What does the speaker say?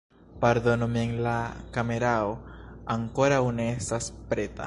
Pardonu min la kamerao ankoraŭ ne estas preta